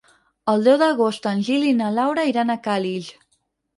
El deu d'agost en Gil i na Laura iran a Càlig.